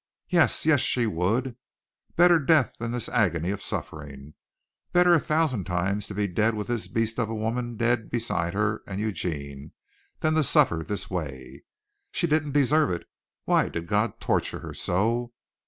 Yes, yes, she would. Better death than this agony of suffering. Better a thousand times to be dead with this beast of a woman dead beside her and Eugene than to suffer this way. She didn't deserve it. Why did God torture her so?